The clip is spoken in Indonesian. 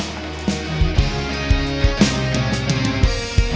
kita bakal selamat dunia